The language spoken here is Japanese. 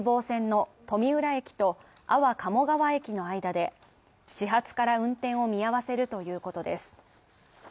内房線の富浦駅と安房鴨川駅の間で始発から運転を見合わせるということです。